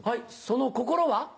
その心は？